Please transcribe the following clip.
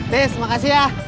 tis makasih ya